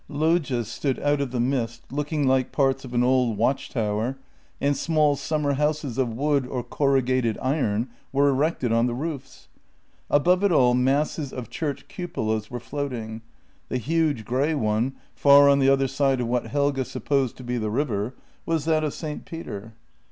Loggias stood out of the mist, looking like parts of an old watchtower, and small summer houses of wood or cor rugated iron were erected on the roofs. Above it all masses of church cupolas were floating — the huge, grey one, far on the other side of what Helge supposed to be the river, was that of St. Peter.